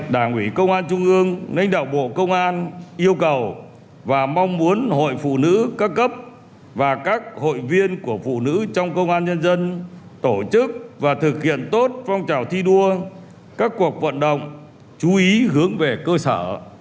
đảng ủy công an trung ương lãnh đạo bộ công an yêu cầu và mong muốn hội phụ nữ các cấp và các hội viên của phụ nữ trong công an nhân dân tổ chức và thực hiện tốt phong trào thi đua các cuộc vận động chú ý hướng về cơ sở